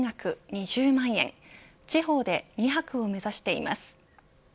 ２０万円地方で２泊を目指しています。